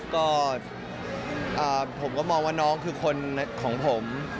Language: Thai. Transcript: ก็ผมก็มองว่าน้องคือคนของผม